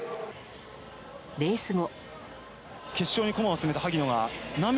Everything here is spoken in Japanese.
レース後。